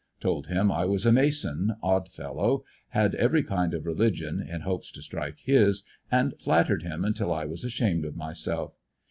Told him I was a mason, odd fellow, had every kind of religion (in hopes to strike his), and flattered him until I was ashamed of myself.